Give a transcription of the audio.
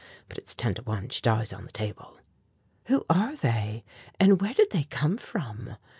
But it's ten to one she dies on the table." "Who are they, and where did they come from?"